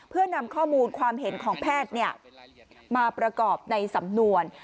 เพื่อนำข้อมูลความเห็นของแพทย์มาประกอบในสำนวน